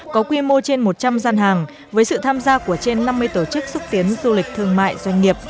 có quy mô trên một trăm linh gian hàng với sự tham gia của trên năm mươi tổ chức xúc tiến du lịch thương mại doanh nghiệp